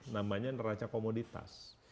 namanya neraca komoditas